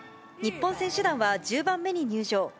日本選手団は１０番目に入場。